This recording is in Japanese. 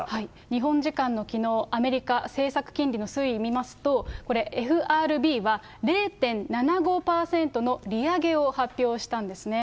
日本時間のきのう、アメリカ政策金利の推移見ますと、これ、ＦＲＢは０．７５％の利上げを発表したんですね。